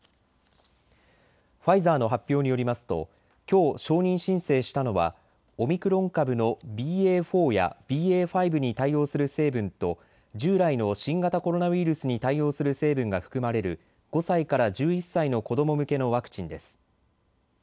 ファイザーの発表によりますときょう、承認申請したのはオミクロン株のＢＡ．４やＢＡ．５に対応する成分と従来の新型コロナウイルスに対応する成分が含まれる５歳から１１歳の子ども向けのワクチンです。